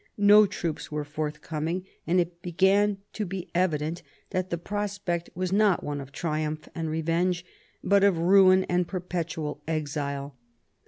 No troops were forthcoming, and it began to be evident that the prospect was not one of triumph and revenge, but of ruin and perpetual exile.